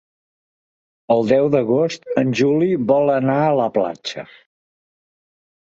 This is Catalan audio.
El deu d'agost en Juli vol anar a la platja.